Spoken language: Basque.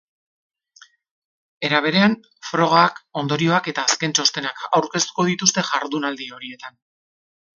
Era berean, frogak, ondorioak eta azken txostenak aurkeztuko dituzte jardunaldi horietan.